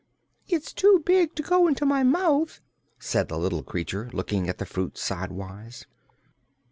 "It's too big to go into my mouth," said the little creature, looking at the fruit sidewise.